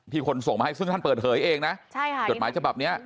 คนส่งมาให้ซึ่งท่านเปิดเผยเองนะใช่ค่ะจดหมายฉบับเนี้ย